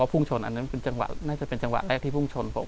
กลับมาที่สุดท้ายและกลับมาที่สุดท้าย